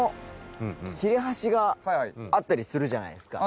があったりするじゃないですか。